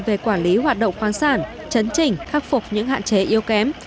về quản lý hoạt động khoáng sản chấn trình khắc phục những hạn chế yếu kém